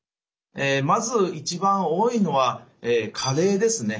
まず一番多いのは加齢ですね。